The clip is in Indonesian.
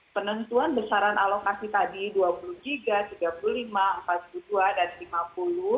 penentuan besaran alokasi tadi dua puluh gb tiga puluh lima gb empat puluh dua gb dan lima puluh gb